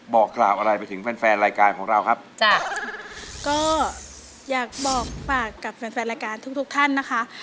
บอกกล่าวอะไรไปถึงแฟนแฟนรายการของเราครับจ้ะก็อยากบอกฝากกับแฟนแฟนรายการทุกทุกท่านนะคะ